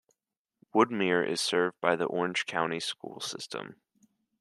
Woodmere is served by the Orange City School System.